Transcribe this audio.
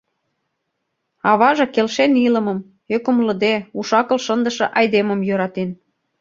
Аваже келшен илымым, ӧкымлыде, уш-акыл шындыше айдемым йӧратен.